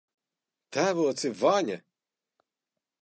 Tēvoci Vaņa!